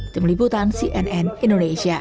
tim liputan cnn indonesia